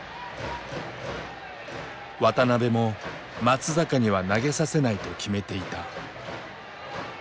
渡辺も松坂には投げさせないと決めていた。